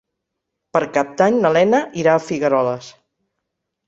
Per Cap d'Any na Lena irà a Figueroles.